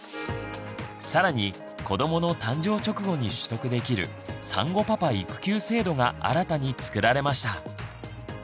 更に子どもの誕生直後に取得できる産後パパ育休制度が新たに作られました。